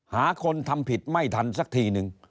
หาคนทำผิดไม่ทันสักทีนึง